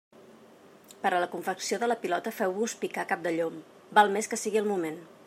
Per a la confecció de la pilota feu-vos picar cap de llom, val més que sigui al moment.